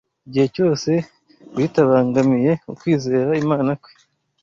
igihe cyose bitabangamiye ukwizera Imana kwe;